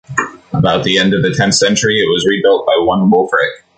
About the end of the tenth century it was rebuilt by one Wulfric.